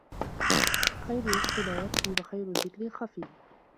خَيْرُ الرِّزْقِ مَا يَكْفِي وَخَيْرُ الذِّكْرِ الْخَفِيُّ